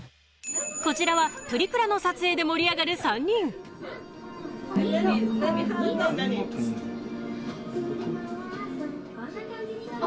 こちらはプリクラの撮影で盛り上がる３人あ！